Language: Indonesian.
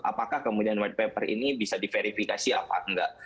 apakah kemudian white paper ini bisa diverifikasi apa enggak